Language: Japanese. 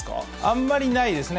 あんまりないですね。